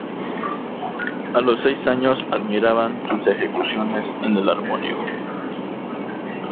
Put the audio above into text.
A los seis años admiraban sus ejecuciones en el armonio.